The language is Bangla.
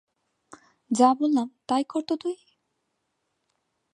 যা বললাম তাই কর তো তুই।